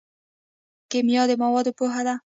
کیمیا د موادو پوهنه ده